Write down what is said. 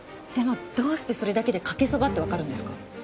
でもどうしてそれだけでかけそばってわかるんですか？